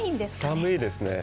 寒いですね。